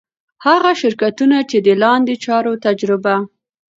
هغه شرکتونه چي د لاندي چارو تجربه